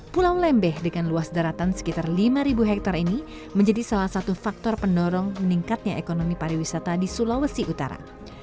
pulau lembeh dengan luas daratan sekitar lima hektare ini menjadi salah satu faktor pendorong meningkatnya ekonomi pariwisata di sulawesi utara